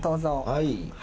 はい。